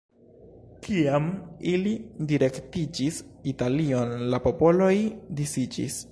Kiam ili direktiĝis Italion la popoloj disiĝis.